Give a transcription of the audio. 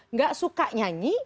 nggak suka nyanyi